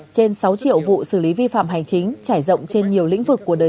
trên sáu triệu vụ xử lý vi phạm hành chính trải rộng trên nhiều lĩnh vực của đời